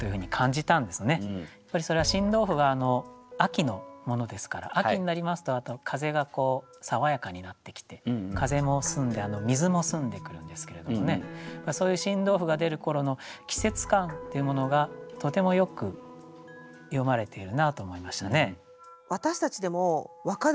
やっぱりそれは新豆腐が秋のものですから秋になりますと風が爽やかになってきて風も澄んで水も澄んでくるんですけれどもねそういう新豆腐が出る頃の季節感っていうものがとてもよく詠まれているなと思いましたね。